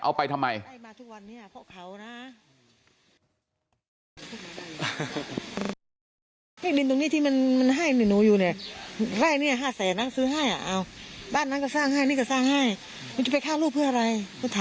เอาไปทำไม